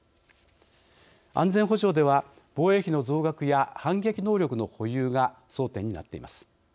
安全保障では、防衛費の増額や反撃能力の保有が争点になっています。